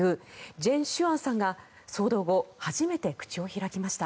ジェン・シュアンさんが騒動後、初めて口を開きました。